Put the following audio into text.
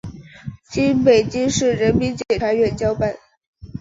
经北京市人民检察院交办